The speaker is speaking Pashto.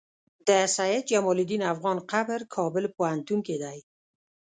د سيد جمال الدين افغان قبر کابل پوهنتون کی دی